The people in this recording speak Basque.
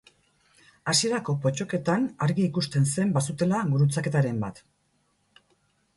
Hasierako pottoketan argi ikusten zen bazutela gurutzaketaren bat.